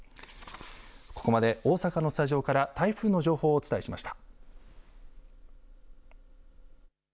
ここまで大阪のスタジオから台風の情報をお伝えしました。